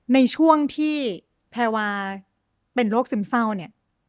ในช่วงที่แพรวาเป็นโรคซึมเศร้าเนี่ย